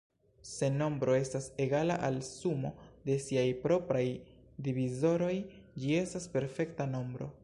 Se nombro estas egala al sumo de siaj propraj divizoroj, ĝi estas perfekta nombro.